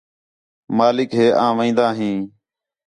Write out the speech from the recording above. مالک ہے آں ویندا ہیں